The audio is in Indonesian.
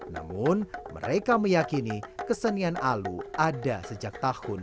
namun mereka meyakini kesenian alu ada sejak tahun lima puluh an